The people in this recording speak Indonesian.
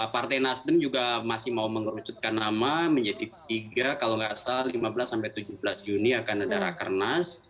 partai nasdem juga masih mau mengerucutkan nama menjadi tiga kalau nggak salah lima belas sampai tujuh belas juni akan ada rakernas